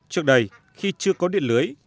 trước đây khi chưa có điện lưới